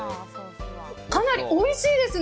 かなりおいしいです。